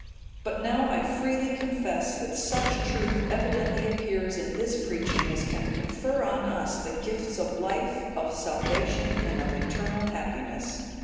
But now I freely confess, that such truth evidently appears in this preaching as can confer on us the gifts of life, of salvation, and of eternal happiness.